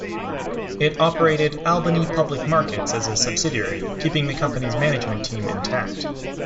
It operated Albany Public Markets as a subsidiary, keeping the company's management team intact.